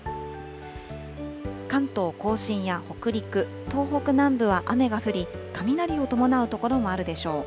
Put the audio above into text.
関東甲信や北陸、東北南部は雨が降り、雷を伴う所もあるでしょう。